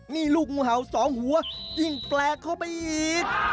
นี่ลูกหมูเห่า๒หัวจิ้งแปลกเข้าไปอีก